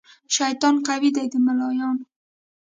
شیطان قوي دی د ملایانو